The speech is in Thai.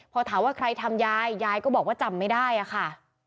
พอถามว่าใครทำยายยายก็บอกว่าจำไม่ได้อะค่ะ